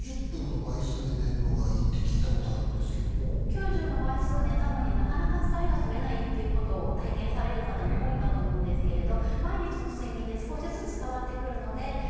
９０の倍数寝たのになかなか疲れがとれないっていうことを体験される方も多いかと思うんですけれど。